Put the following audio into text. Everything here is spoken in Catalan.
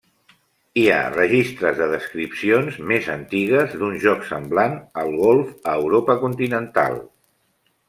Hi ha registres de descripcions més antigues d'un joc semblant al golf a Europa continental.